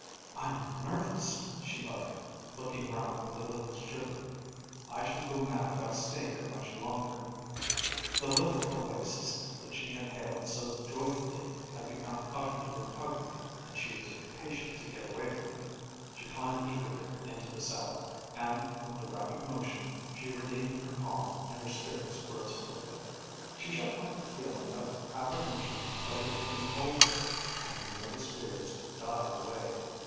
"I'm nervous," she muttered, looking round with a little shiver. "I shall go mad if I stay here much longer." The little oasis that she had hailed so joyfully had become utterly repugnant and she was impatient to get away from it. She climbed eagerly into the saddle, and, with the rapid motion, she regained her calm and her spirits rose quickly. She shook off the feeling of apprehension that had taken hold of her and her nervous fears died away.